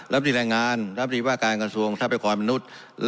รับดีแรงงานรับรีว่าการกระทรวงทรัพยากรมนุษย์